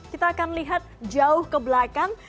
kita akan lihat jauh ke belakang